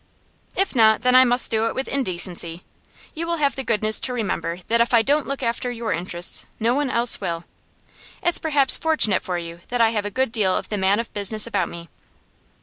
'If not, then I must do it with indecency. You will have the goodness to remember that if I don't look after your interests, no one else will. It's perhaps fortunate for you that I have a good deal of the man of business about me.